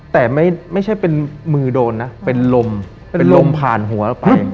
แต่ไม่ใช่เป็นมือโดนนะเป็นลมเป็นลมผ่านหัวเราไป